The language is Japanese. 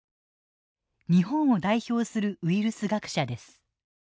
日本を代表するウイルス学者です。